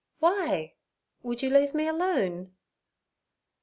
'Why? Would you leave me alone?'